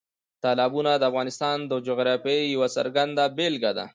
تالابونه د افغانستان د جغرافیې یوه څرګنده بېلګه ده.